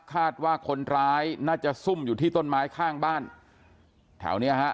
คาดว่าคนร้ายน่าจะซุ่มอยู่ที่ต้นไม้ข้างบ้านแถวเนี้ยฮะ